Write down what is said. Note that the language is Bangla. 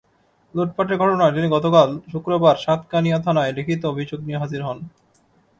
লুটপাটের ঘটনায় তিনি গতকাল শুক্রবার সাতকানিয়া থানায় লিখিত অভিযোগ নিয়ে হাজির হন।